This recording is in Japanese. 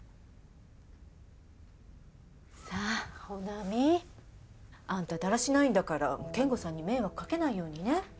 さあ穂波あんただらしないんだから健吾さんに迷惑かけないようにね。